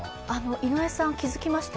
井上さん、気づきました？